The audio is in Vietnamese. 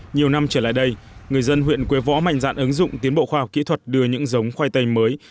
nhiều năm trở lại đây người dân huyện quế võ mạnh dạn ứng dụng tiến bộ khoa học kỹ thuật đưa những giống khoai tây mới